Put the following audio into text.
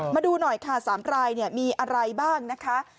มาดูหน่อยค่ะ๓รายมีอะไรบ้างนะคะ